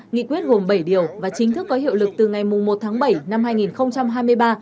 nghị quyết gồm bảy điều và chính thức có hiệu lực từ ngày một tháng bảy năm hai nghìn hai mươi ba